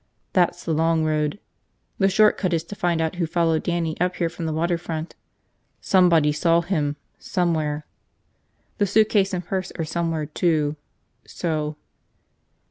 That's the long road. The short cut is to find out who followed Dannie up here from the water front. Somebody saw him, somewhere. The suitcase and purse are somewhere, too. So